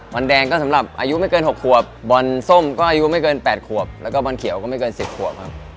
วันแดงก็สำหรับอายุไม่เกิน๖ขวบบอลส้มก็อายุไม่เกิน๘ขวบแล้วก็บอลเขียวก็ไม่เกิน๑๐ขวบครับ